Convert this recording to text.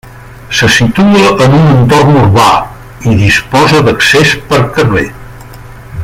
Se situa en un entorn urbà, i disposa d'accés per carrer.